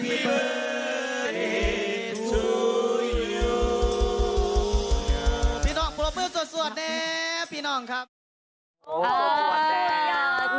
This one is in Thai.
พี่น้องปรบมือสวดแน่พี่น้องครับ